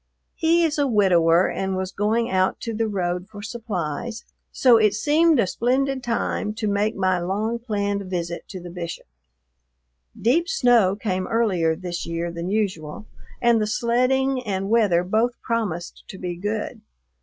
He is a widower and was going out to the road for supplies, so it seemed a splendid time to make my long planned visit to the Bishop. Deep snow came earlier this year than usual, and the sledding and weather both promised to be good.